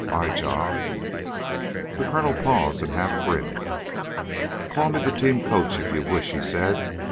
My job " The colonel paused and half grinned. "Call me the team coach, if you wish," he said.